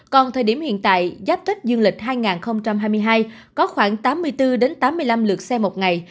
còn thời điểm hiện tại giáp tết dương lịch hai nghìn hai mươi hai có khoảng tám mươi bốn tám mươi năm lượt xe một ngày